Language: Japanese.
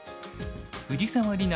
藤沢里菜